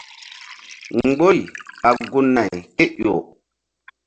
Mgbori ɓa gun- nay kéƴo.